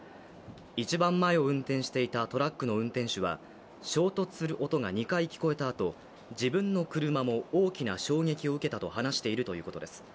一番前を運転していたトラックの運転手は、衝突する音が２回聞こえたあと自分の車も大きな衝撃を受けたと話しているということです。